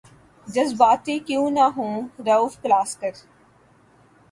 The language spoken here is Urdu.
جذباتی کیوں نہ ہوں رؤف کلاسرا